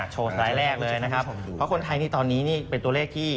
โชว์สไลด์แรกเลยเพราะคนไทยตอนนี้เป็นตัวเลขที่